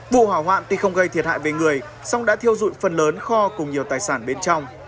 vụ hỏa hoạn thì không gây thiệt hại về người song đã thiêu dụi phần lớn kho cùng nhiều tài sản bên trong